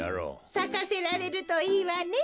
さかせられるといいわね。